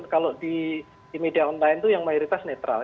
kalau di media online itu yang mayoritas netral